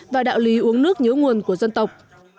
và đạo lý uống nước nhớ nguồn của dân tộc